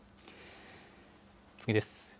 次です。